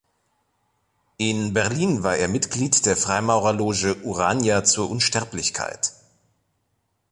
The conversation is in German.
In Berlin war er Mitglied der Freimaurerloge "Urania zur Unsterblichkeit".